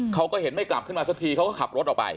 เขาก็เห็นไม่กลับขึ้นมาสักทีเขาก็ขับรถออกไป